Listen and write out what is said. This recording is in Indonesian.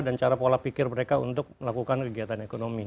dan cara pola pikir mereka untuk melakukan kegiatan ekonomi